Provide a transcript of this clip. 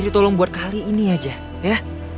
jadi tolong buat kali ini aja ya